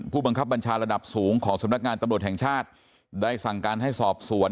ผู้บังคับบัญชาระดับสูงของสำนักงานตำรวจแห่งชาติได้สั่งการให้สอบสวน